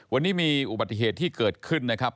วันนี้มีอุบัติเหตุที่เกิดขึ้นนะครับ